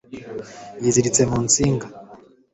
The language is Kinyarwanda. yiziritse mu nsinga